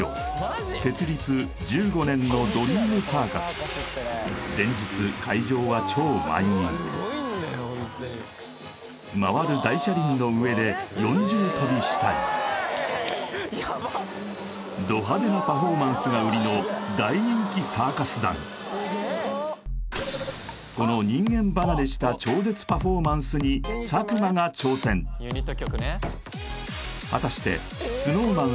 今回佐久間が行うのが連日会場は超満員回る大車輪の上で四重跳びしたりド派手なパフォーマンスがウリの大人気サーカス団この人間離れした超絶パフォーマンスに佐久間が挑戦果たしてＳｎｏｗＭａｎ